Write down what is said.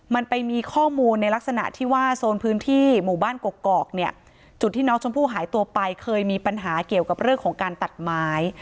มันไปมีข้อมูลในลักษณะที่ว่าโซนพื้นที่หมู่บ้านกกอกเนี่ยจุดที่น้องชมพู่หายตัวไปเคยมีปัญหาเกี่ยวกับเรื่องของการตัดไม้